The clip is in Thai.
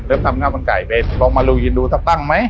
เริ่มทำข้าวมันไก่เป็นลองมาลูอินดูซับตั้งไหม